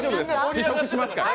試食しますから。